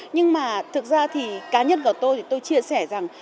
nhưng mà thực ra thì cá nhân của tôi thì tôi chia sẻ rằng